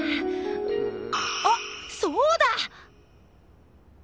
うんあっそうだ！